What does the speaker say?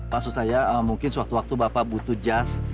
maksud saya mungkin sewaktu waktu bapak butuh jas